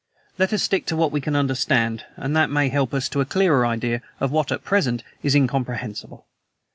"Let us stick to what we can understand, and that may help us to a clearer idea of what, at present, is incomprehensible.